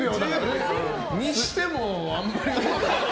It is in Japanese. にしても、あんまり。